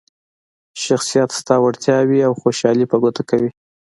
شخصیت ستا وړتیاوې او خوشحالي په ګوته کوي.